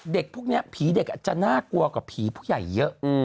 เด็กพวกนี้ผีเด็กอาจจะน่ากลัวกว่าผีผู้ใหญ่เยอะ